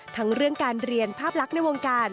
ทั้งเรื่องการเรียนภาพลักษณ์ในวงการ